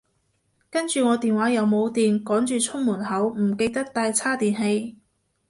跟住我電話又冇電，趕住出門口，唔記得帶叉電器